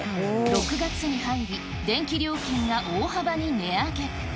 ６月に入り、電気料金が大幅に値上げ。